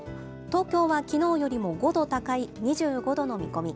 東京はきのうよりも５度高い２５度の見込み。